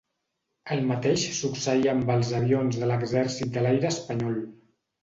El mateix succeïa amb els avions de l'Exèrcit de l'Aire Espanyol.